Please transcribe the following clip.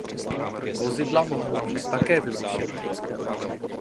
Vozidla mohou být také vylepšena.